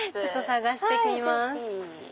探してみます。